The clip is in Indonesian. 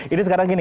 ini sekarang gini